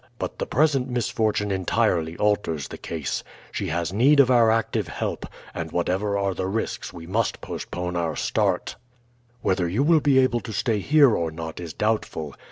But the present misfortune entirely alters the case. She has need of our active help, and whatever are the risks we must postpone our start. "Whether you will be able to stay here or not is doubtful.